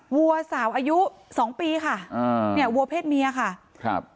วัวสาวอายุสองปีค่ะอ่าเนี่ยวัวเพศเมียค่ะครับ